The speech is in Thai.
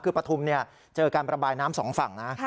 คือปฐุมเจอการประบายน้ำสองฝั่งนะ